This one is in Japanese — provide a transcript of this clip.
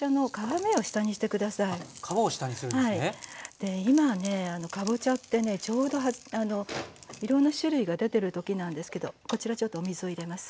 で今ねかぼちゃってねちょうどいろんな種類が出てるときなんですけどこちらちょっとお水を入れます。